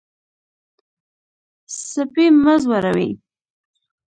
سپي مه ځوروئ.